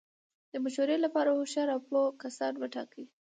د مشورې له پاره هوښیار او پوه کسان وټاکئ!